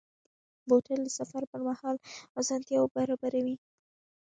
بوتل د سفر پر مهال آسانتیا برابروي.